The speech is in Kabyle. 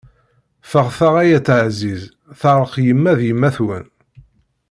Ffɣet-aɣ ay At ɛziz, teɛṛeq yemma d yemmat-wen!